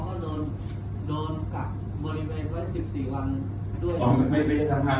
บริเวณ๑๔วันจะมีบางท่าน